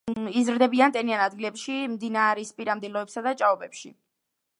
იზრდებიან ტენიან ადგილებში, მდინარისპირა მდელოებსა და ჭაობებში.